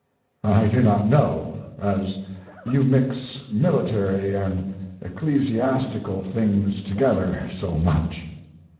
I do not know, as you mix military and ecclesiastical things together so much.